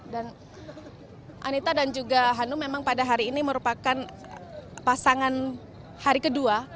dan anita dan juga hanu memang pada hari ini merupakan pasangan hari kedua